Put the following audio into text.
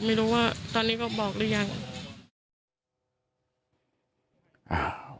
ไม่รู้ว่าตอนนี้ก็บอกหรือยัง